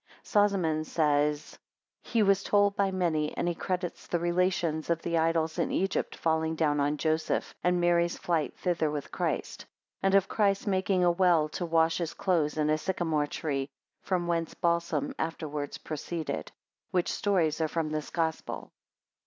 Sozomen says, he was told by many, and he credits the relations, of the idols in Egypt falling down on Joseph, and Mary's flight thither with Christ; and of Christ making a well to wash his clothes in a sycamore tree, from whence balsam afterwards proceeded; which stories are from this Gospel.